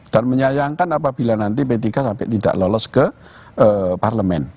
dan menyayangkan apabila nanti p tiga sampai tidak lolos ke parlemen